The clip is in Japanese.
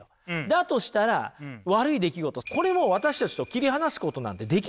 だとしたら悪い出来事これも私たちと切り離すことなんてできます？